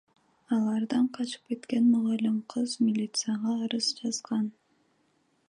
Алардан качып кеткен мугалим кыз милицияга арыз жазган.